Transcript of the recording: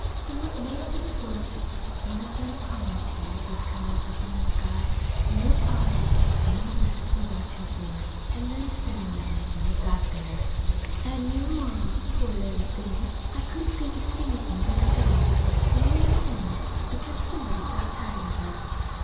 An' what made things worse, one of them comet tails was comin' up in the sky, an' your pa didn't take no rest for watchin' for it, an' then studyin' of it when it got here. "An' your ma poor little thing! I couldn't think of anything but a doll that was thrown in the corner because somebody'd got tired of her.